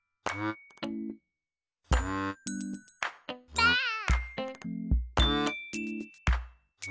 ばあっ！